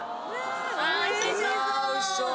おいしそう！